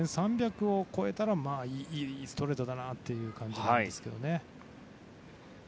２３００を超えたらいいストレートだなという感じですね。